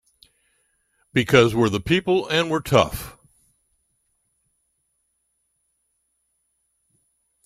Because we're the people and we're tough!